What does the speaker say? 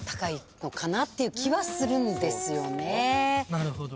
・なるほど。